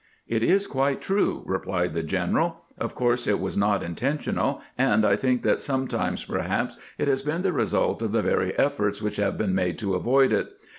"It is quite true," replied the general. "Of course it was not intentional, and I think that sometimes, perhaps, it has been the result of the very efforts which have been made to avoid it.